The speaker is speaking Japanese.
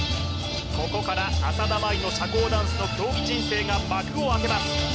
ここから浅田舞の社交ダンスの競技人生が幕を開けます